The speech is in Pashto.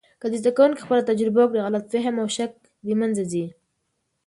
که زده کوونکي خپله تجربه وکړي، غلط فهم او شک د منځه ځي.